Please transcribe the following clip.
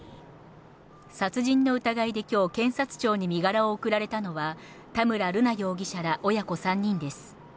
殺人の疑いできょう、検察庁に身柄を送られたのは、田村瑠奈容疑者ら親子３人です。